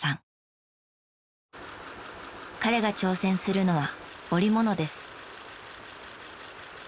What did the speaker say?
彼が挑戦するのは織物です。